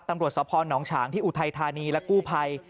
ตำรวจสพนฉางที่อุทัยธานีและกู้ภัย